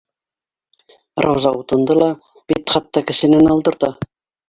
Рауза утынды ла бит хатта кешенән алдырта.